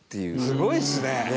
すごいですね。